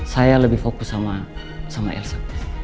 saya lebih fokus sama ersa